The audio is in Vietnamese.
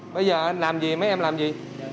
bây giờ anh làm gì mấy em làm gì